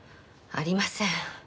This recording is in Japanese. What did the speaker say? ありません。